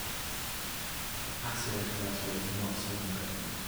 The Paseo convertible was not sold in Britain.